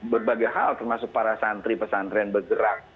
berbagai hal termasuk para santri pesantren bergerak